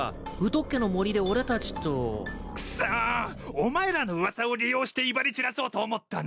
お前らの噂を利用して威張り散らそうと思ったのに。